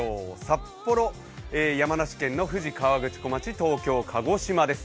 札幌、山梨県の富士河口湖町、東京、鹿児島です。